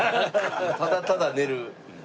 ただただ寝る。